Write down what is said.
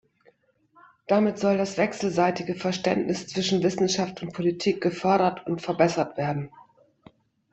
Damit soll das wechselseitige Verständnis zwischen Wissenschaft und Politik gefördert und verbessert werden.